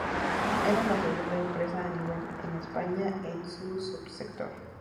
Era la segunda empresa a nivel en España en su subsector.